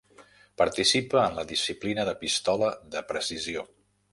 Participa en la disciplina de pistola de precisió.